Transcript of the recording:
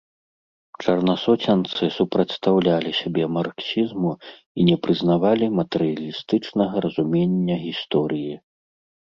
Чарнасоценцы супрацьстаўлялі сябе марксізму і не прызнавалі матэрыялістычнага разумення гісторыі.